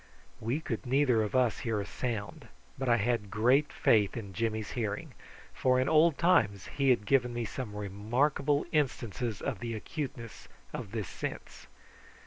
We could neither of us hear a sound, but I had great faith in Jimmy's hearing, for in old times he had given me some remarkable instances of the acuteness of this sense.